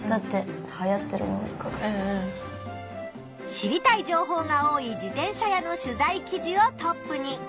知りたい情報が多い自転車屋の取材記事をトップに。